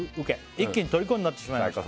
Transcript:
「一気にとりこになってしまいました」